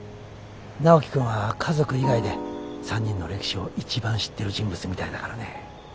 ナオキ君は家族以外で３人の歴史を一番知ってる人物みたいだからね。